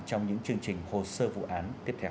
trong những chương trình hồ sơ vụ án tiếp theo